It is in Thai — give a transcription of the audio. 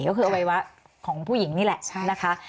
ก็คืออวัยวะของผู้หญิงนี่แหละนะคะ